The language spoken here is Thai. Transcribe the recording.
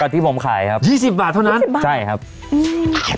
ที่ผมขายครับยี่สิบบาทเท่านั้นใช่ครับอืม